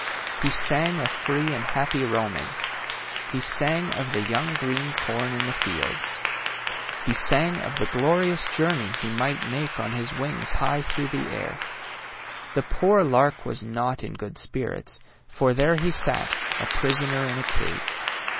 He sang of free and happy roaming. He sang of the young green corn in the fields. He sang of the glorious journey he might make on his wings high through the air. The poor lark was not in good spirits, for there he sat, a prisoner in a cage.